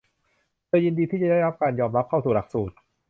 เธอยินดีที่จะได้รับการยอมรับเข้าสู่หลักสูตร